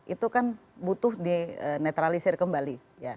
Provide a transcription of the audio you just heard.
itu kan butuh dinetralisir kembali